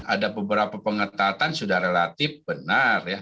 ada beberapa pengetatan sudah relatif benar ya